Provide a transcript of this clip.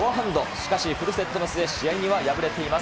しかしフルセットの末、試合には敗れています。